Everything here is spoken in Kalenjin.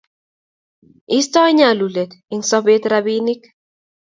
Istoi nyalulnate eng' sobet robinik